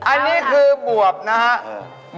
อันนี้คือบวบนะครับ